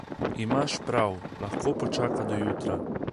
Imaš prav, lahko počaka do jutra.